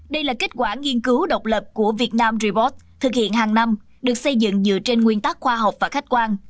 đây là kết quả nghiên cứu độc lập của vietnam report thực hiện hàng năm được xây dựng dựa trên nguyên tắc khoa học và khách quan